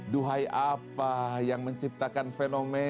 duhai apa yang menciptakan fenomena